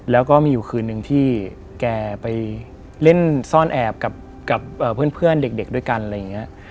แล้วก็มีอยู่คืนนึงที่แกไปเล่นซ่อนแอบกับเพื่อนเด็กด้วยกันอะไรอย่างนี้